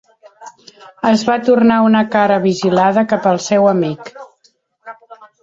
Es va tornar una cara vigilada cap al seu amic.